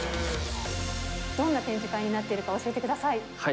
どんな展示会になっているか教えてください。